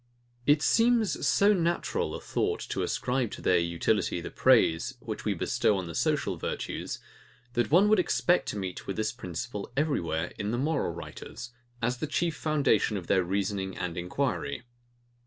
It seems so natural a thought to ascribe to their utility the praise, which we bestow on the social virtues, that one would expect to meet with this principle everywhere in moral writers, as the chief foundation of their reasoning and enquiry.